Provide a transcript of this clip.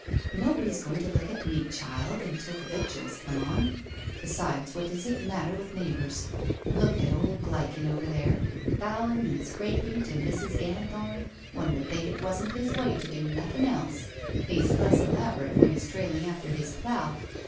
Nobody's going to look at me, child until the victuals come on. Besides, what does it matter with neighbours? Look at old Gleichen over there, bowing and scraping to Mrs. Ganthorn; one would think it wasn't his way to do nothing else. He's less elaborate when he's trailing after his plough.